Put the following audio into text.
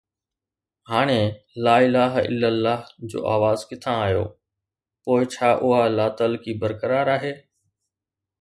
هاڻي ”لا اله الا الله“ جو آواز ڪٿان آيو، پوءِ ڇا اها لاتعلقي برقرار آهي؟